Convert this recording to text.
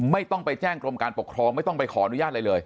ไม่ต้องไปแจ้งกรมการปกครองไม่ต้องไปขออนุญาตอะไรเลย